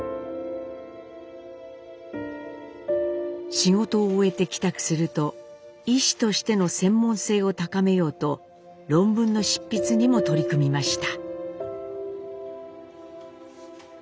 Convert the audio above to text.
仕事を終えて帰宅すると医師としての専門性を高めようと論文の執筆にも取り組みました。